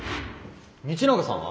道永さんは？